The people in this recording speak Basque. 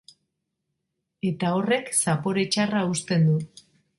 Eta horrek zapore txarra uzten du.